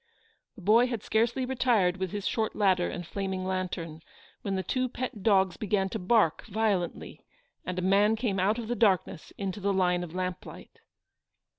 The boy had scarcely retired with his short ladder and flaming lantern, when the two pet dogs began to bark violently, and a man came out of the darkness into the line of lamplight.